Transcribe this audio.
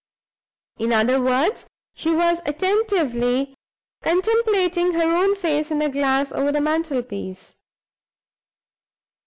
In other words, she was attentively contemplating her own face in the glass over the mantelpiece.